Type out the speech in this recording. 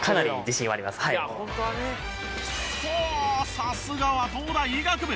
さすがは東大医学部。